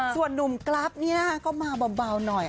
ส่วนนุ่มกลับเนี่ยก็มาเบาหน่อย